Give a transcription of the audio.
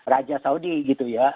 raja saudi gitu ya